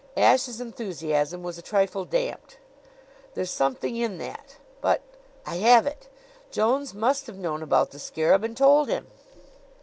Ashe's enthusiasm was a trifle damped. "There's something in that. But I have it! Jones must have known about the scarab and told him."